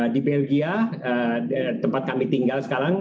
di belgia tempat kami tinggal sekarang